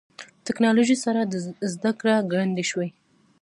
ټکنالوژي سره زدهکړه ګړندۍ شوې.